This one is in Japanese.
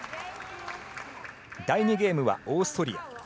第２ゲームはオーストリア。